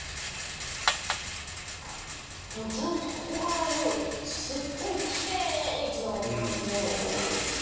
ずっとここからもうすっごいキレイにつながってますね。